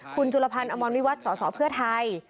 คุณจุลพันธ์อมรวิวัตรสสเพื่อไทย